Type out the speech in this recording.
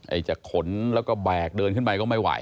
จะขนแล้วก็แบกเดินขึ้นไปก็ไม่ไหว